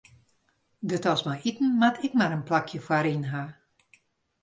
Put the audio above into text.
De tas mei iten moat ek mar in plakje foaryn ha.